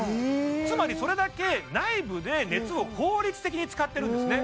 つまりそれだけ内部で熱を効率的に使ってるんですね